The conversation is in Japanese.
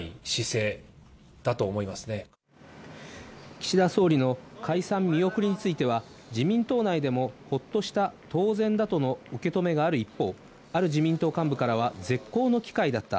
岸田総理の解散見送りについては自民党内でもホッとした、当然だとの受け止めがある一方、ある自民党幹部からは絶好の機会だった。